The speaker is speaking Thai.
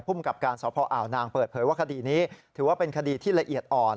กับการสพอ่าวนางเปิดเผยว่าคดีนี้ถือว่าเป็นคดีที่ละเอียดอ่อน